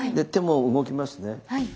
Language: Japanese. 手も動きますね。